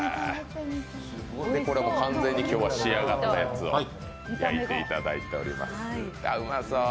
これは、完全に仕上がったやつを焼いていただいております。